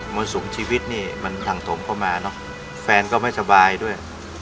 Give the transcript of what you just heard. มันสูงชีวิตมันถังตมเข้ามานะแฟนก็ไม่สบายด้วย